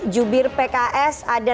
jubir pks ada